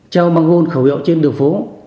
trao bằng ngôn khẩu hiệu trên đường phố